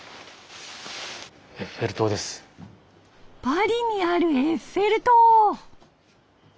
パリにあるエッフェル塔。